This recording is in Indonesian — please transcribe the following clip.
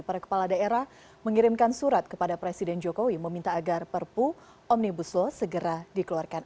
para kepala daerah mengirimkan surat kepada presiden jokowi meminta agar perpu omnibus law segera dikeluarkan